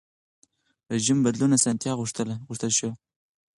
رژیم بدلون اسانتیا غوښتل شوه.